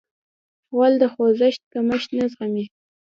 غول د خوځښت کمښت نه زغمي.